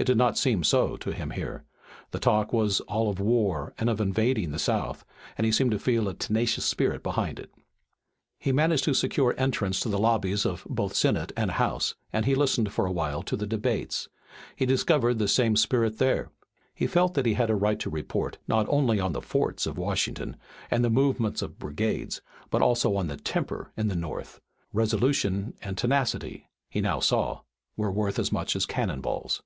It did not seem so to him here. The talk was all of war and of invading the South, and he seemed to feel a tenacious spirit behind it. He managed to secure entrance to the lobbies of both Senate and House, and he listened for a while to the debates. He discovered the same spirit there. He felt that he had a right to report not only on the forts of Washington and the movements of brigades, but also on the temper in the North. Resolution and tenacity, he now saw, were worth as much as cannon balls.